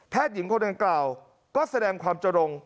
แพทยิงคนกล่าวก็แสดงความเจริง